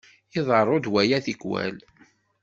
Iḍerru-d waya tikkwal.